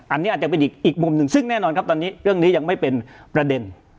อันนี้อาจจะเป็นอีกมุมหนึ่งซึ่งแน่นอนครับตอนนี้เรื่องนี้ยังไม่เป็นประเด็น